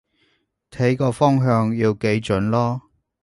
睇個方向要幾準囉